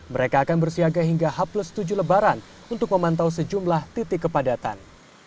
mereka akan bersiaga hingga h tujuh lebaran untuk memantau sejumlah titik kepadatan